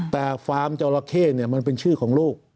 แต่ฟาร์มจอราเข้มันเป็นชื่อของลูก